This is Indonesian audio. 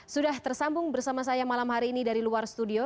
sudah tersambung bersama saya malam hari ini dari luar studio